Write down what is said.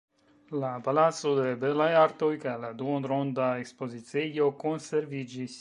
La "palaco de belaj artoj" kaj la duonronda ekspoziciejo konserviĝis.